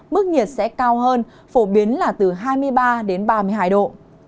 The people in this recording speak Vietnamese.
mức nhiệt sẽ cao hơn phổ biến là từ hai mươi ba đến ba mươi hai độ